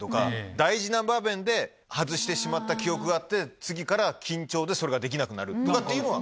大事な場面で外してしまった記憶があって次から緊張でそれができなくなるとかっていうのは。